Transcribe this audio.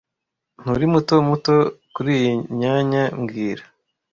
Nturi muto muto kuriyi myanya mbwira